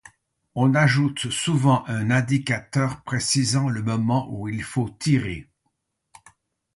On ajoute souvent un indicateur précisant le moment où il faut tirer.